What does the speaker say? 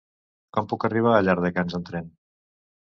Com puc arribar a Llardecans amb tren?